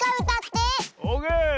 オーケー！